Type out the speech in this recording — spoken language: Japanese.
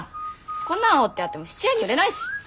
こんなの彫ってあっても質屋に売れないし！